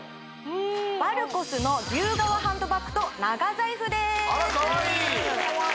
バルコスの牛革ハンドバッグと長財布でーすあらカワイイ！